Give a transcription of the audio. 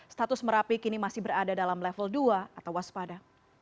status merapi kini masih berada dalam level dua atau waspada